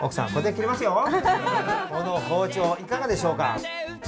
この包丁いかがでしょうか？